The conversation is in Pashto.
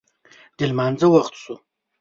د لمانځه وخت شو